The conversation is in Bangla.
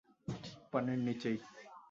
ঠিক পানির নিচেই।